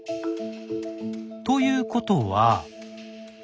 ということは。